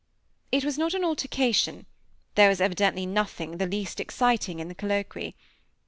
It was not an altercation; there was evidently nothing the least exciting in the colloquy.